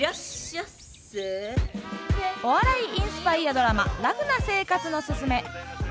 お笑いインスパイアドラマ「ラフな生活のススメ」。